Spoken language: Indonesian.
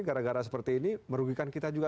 gara gara seperti ini merugikan kita juga